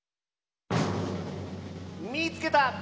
「みいつけた！